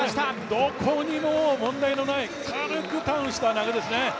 どこにも問題のない軽くターンした投げですね。